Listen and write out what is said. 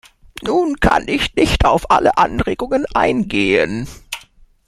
Nun kann ich nicht auf alle Anregungen eingehen.